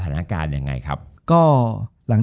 จบการโรงแรมจบการโรงแรม